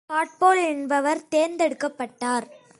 காட்போல் என்பவர் தேர்ந்தெடுக்கப்பட்டார்.